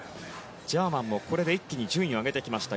ジャーマンも、これで一気に順位を上げてきました。